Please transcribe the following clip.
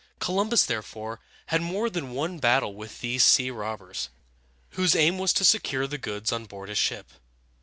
Columbus, therefore, had more than one battle with these sea robbers, whose aim was to secure the goods on board his ship.